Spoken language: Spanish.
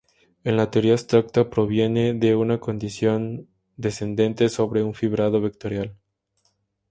En la teoría abstracta proviene de una condición descendente sobre un fibrado vectorial.